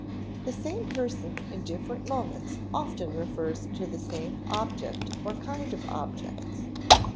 The same person in different moments often refers to the same object or kind of objects.